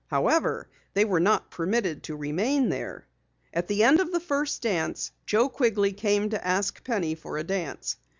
However, they were not permitted to remain there. At the end of the first dance, Joe Quigley came to ask Penny for a dance.